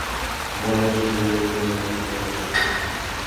বলেন, সূর্যবিজ্ঞান যে জানে, তার অসাধ্য কী?